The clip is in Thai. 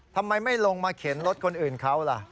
ทำไมไม่ลงมาเข็นรถคนอื่นเขาล่ะ